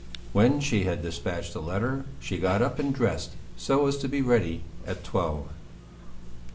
When she had despatched the letter, she got up and dressed, so as to be ready at twelve.